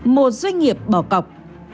một doanh nghiệp bỏ cọc